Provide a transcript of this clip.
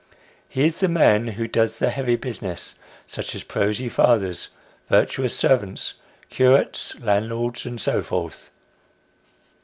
He is the man who does the heavy business, such as prosy fathers, virtuous servants, curates, landlords, and so forth.